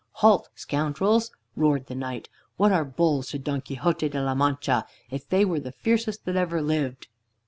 "Halt, scoundrels!" roared the Knight. "What are bulls to Don Quixote de la Mancha, if they were the fiercest that ever lived?